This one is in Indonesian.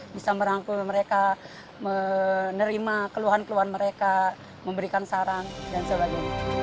bisa merangkul mereka menerima keluhan keluhan mereka memberikan saran dan sebagainya